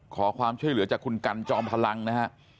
ขอความช่วยเหลือจากคุณกันจอมพลังนะฮะ